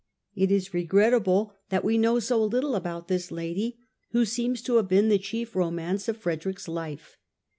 It is regrettable that we know so little about this lady, who seems to have been the chief romance of Frederick's life.